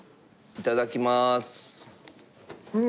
いただきます。